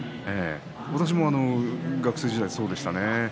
私も学生時代そうでしたね。